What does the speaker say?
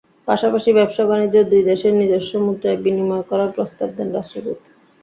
পাশাপাশি ব্যবসা-বাণিজ্যে দুই দেশের নিজস্ব মুদ্রায় বিনিময় করার প্রস্তাব দেন রাষ্ট্রদূত।